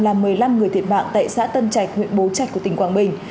làm một mươi năm người thiệt mạng tại xã tân trạch huyện bố trạch của tỉnh quảng bình